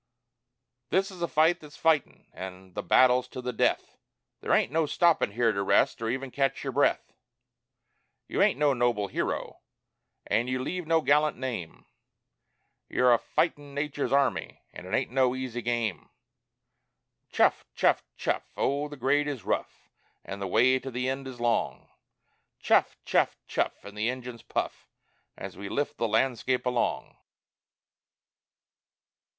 This is a fight that's fightin', an' the battle's to the death; There ain't no stoppin' here to rest or even catch your breath; You ain't no noble hero, an' you leave no gallant name You're a fightin' Nature's army, an' it ain't no easy game! "Chuff! chuff! chuff!" Oh, the grade is rough, An' the way to the end is long, "Chuff! chuff! chuff!" an' the engines puff As we lift the landscape along!